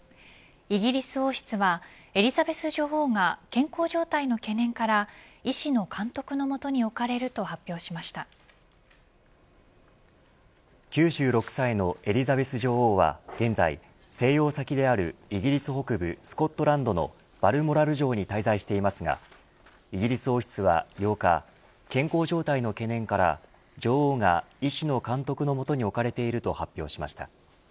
イギリス王室はエリザベス女王が健康状態の懸念から医師の監督の下に置かれると９６歳のエリザベス女王は現在、静養先であるイギリス北部スコットランドのバルモラル城に滞在していますがイギリス王室は８日健康状態の懸念から女王が医師の監督の下に置かれていると発表しました。